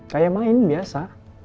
kayak main biasa